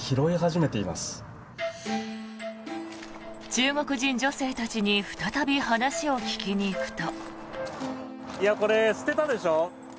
中国人女性たちに再び話を聞きに行くと。